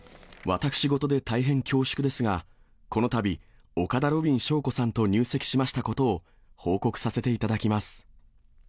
私事で大変恐縮ですが、このたび、岡田ロビン翔子さんと入籍しましたことを報告させていただきます。